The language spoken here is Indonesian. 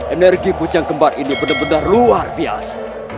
energi kucang kemar ini benar benar luar biasa